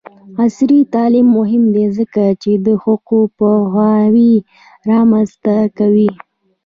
عصري تعلیم مهم دی ځکه چې د حقونو پوهاوی رامنځته کوي.